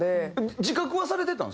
自覚はされてたんですか？